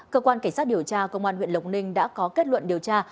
cơ quan cảnh sát điều tra công an huyện lộc ninh đã có kết luận điều tra